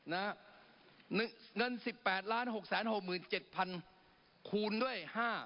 เงิน๑๘๖๖๗๐๐คูณด้วย๕๐๐